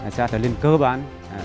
xã trà linh cơ bản